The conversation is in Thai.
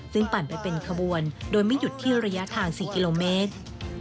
ซึ่งปั่นไปเป็นขบวนโดยไม่หยุดที่ระยะทาง๔กิโลเมตร